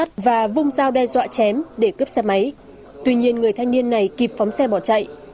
bọn chúng đã vung giao đe dọa chém để cướp xe máy tuy nhiên người thanh niên này kịp phóng xe bỏ chạy